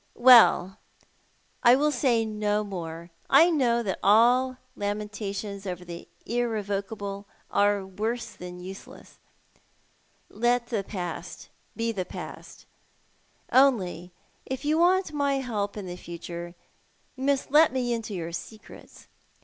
"Well, I will say no more. I know that all lamentations over the irrevocable are w orso than useless. Let the past be past— only if you want my help in the future you must let me into your secrets.